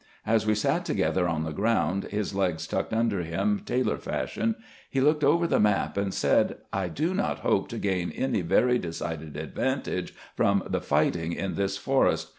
As we sat to gether on the ground, his legs tucked under him, tailor fashion, he looked over the map, and said: "I do not hope to gain any very decided advantage from the fight ing in this forest.